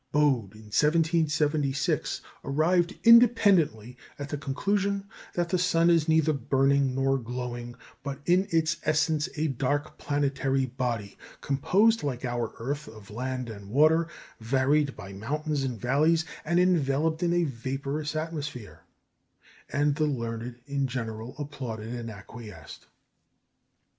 " Bode in 1776 arrived independently at the conclusion that "the sun is neither burning nor glowing, but in its essence a dark planetary body, composed like our earth of land and water, varied by mountains and valleys, and enveloped in a vaporous atmosphere"; and the learned in general applauded and acquiesced.